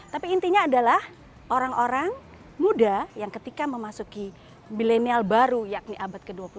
tapi intinya adalah orang orang muda yang ketika memasuki milenial baru yakni abad ke dua puluh satu